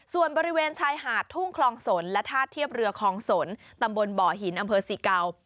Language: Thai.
ส่วนบริเวณชายหาดทุ่งคลองสนและท่าเทียบเรือคลองสนตำบลบ่อหินอำเภอศรีเก่า